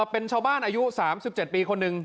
เป็นชาวบ้านอายุ๓๗ปีคนหนึ่ง